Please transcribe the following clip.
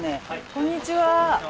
こんにちは。